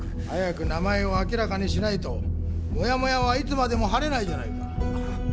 早く名前を明らかにしないとモヤモヤはいつまでも晴れないじゃないか！